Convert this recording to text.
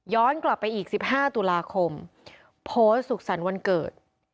ย้อนกลับไปอีก๑๕ตุลาคมโพสต์สุขสรรวรรดิวันเกิด